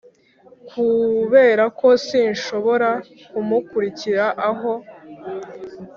kuberako sinshobora kumukurikira aho.